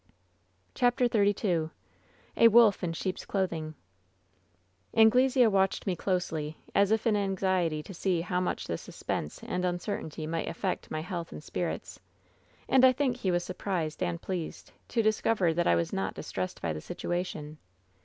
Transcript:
WHEN SHADOWS DIE 187 CHAPTER XXXII A WOLF Iir sheep's CLOTHIWa *^Anolesea watched me closely, as if in anxiety to see how much this suspense and uncertainty might affect my health and spirits. And I think he was surprised and pleased to discover that I was not distressed by the situation.